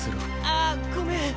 あっごめん。